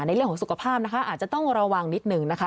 เรื่องของสุขภาพนะคะอาจจะต้องระวังนิดนึงนะคะ